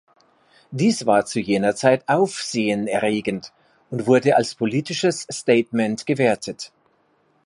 Dies war zu jener Zeit aufsehenerregend und wurde als politisches Statement gewertet.